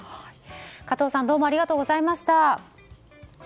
加藤さんどうもありがとうございました。